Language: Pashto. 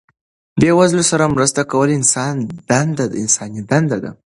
بې وزلو سره مرسته کول انساني دنده ده.